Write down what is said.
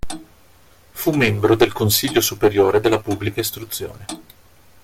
Fu membro del Consiglio superiore della pubblica istruzione.